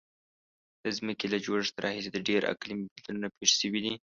د ځمکې له جوړښت راهیسې ډیر اقلیمي بدلونونه پیښ شوي دي.